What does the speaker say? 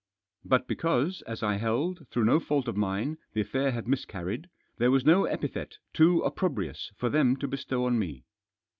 But because, as I held, through no fault of mine, the affair had miscarried, there was no epithet too opprobrious for them to bestow on me.